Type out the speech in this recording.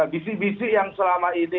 bisik bisik yang selama ini